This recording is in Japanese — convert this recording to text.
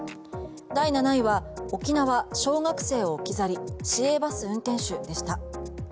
第７位は沖縄、小学生を置き去り市営バス運転手でした。